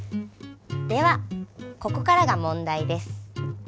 ではここからが問題です。